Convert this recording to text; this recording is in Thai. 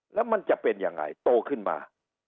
แล้วมันจะเป็นยังไงโตขึ้นมา